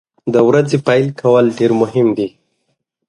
د ورځې پیل کول ډیر مهم دي.